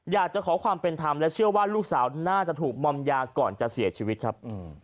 อยากจะขอความเป็นธรรมและเชื่อว่าลูกสาวน่าจะถูกมอมยาก่อนจะเสียชีวิตครับ